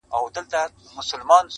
او د خپل ځان هغه منفرد غږ ته